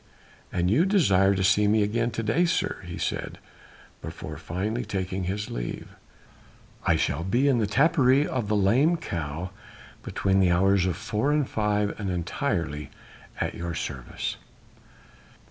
"An you desire to see me again to day, sir," he said before finally taking his leave, "I shall be in the tapperij of the 'Lame Cow' between the hours of four and five and entirely at your service."